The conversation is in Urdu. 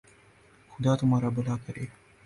خدا تمہارر بھلا کرے